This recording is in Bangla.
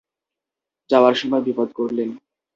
যাওয়ার সময় বিপদ করলেন।